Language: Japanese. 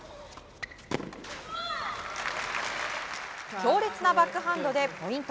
強烈なバックハンドでポイント。